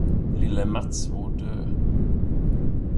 Lille Mats var död.